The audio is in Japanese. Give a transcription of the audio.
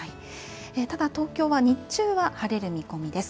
ただ、東京は日中は晴れる見込みです。